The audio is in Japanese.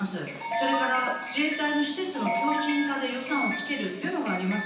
それから自衛隊の施設の強じん化で予算をつけるっていうのがあります。